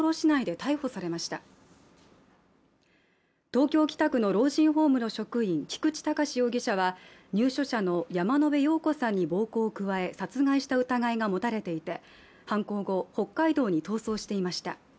東京・北区の老人ホームの職員菊池隆容疑者は入所者の山野辺陽子さんに暴行を加え殺害した疑いが持たれていて犯行後、北海道に逃走していました。